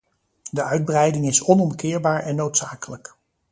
De uitbreiding is onomkeerbaar en noodzakelijk.